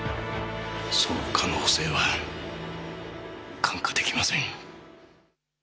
その可能性は看過出来ません。